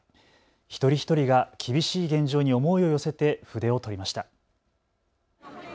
一人一人が厳しい現状に思いを寄せて筆を執りました。